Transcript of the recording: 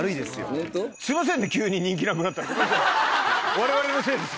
われわれのせいです。